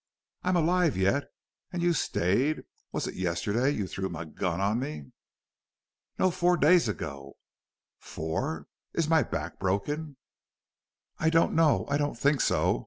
"I'm alive yet. And you stayed!... Was it yesterday you threw my gun on me?" "No. Four days ago." "Four! Is my back broken?" "I don't know. I don't think so.